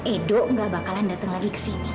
edo gak bakalan datang lagi kesini